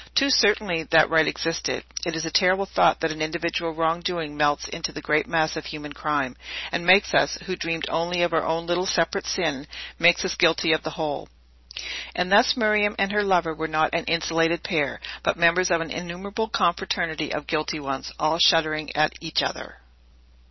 Too certainly, that right existed. It is a terrible thought, that an individual wrong doing melts into the great mass of human crime, and makes us, who dreamed only of our own little separate sin, makes us guilty of the whole. And thus Miriam and her lover were not an insulated pair, but members of an innumerable confraternity of guilty ones, all shuddering at each other.